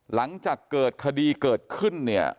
หลังจากเกิดคดีเกิดขึ้นเนี่ย